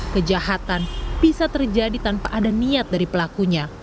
kejahatan bisa terjadi tanpa ada niat dari pelakunya